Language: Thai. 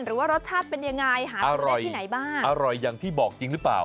หรือว่ารสชาติเป็นยังไงหาซื้อได้ที่ไหนบ้างอร่อยอย่างที่บอกจริงหรือเปล่า